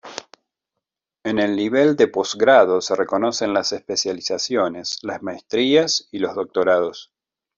En el nivel de posgrado se reconocen las especializaciones, las maestrías y los doctorados.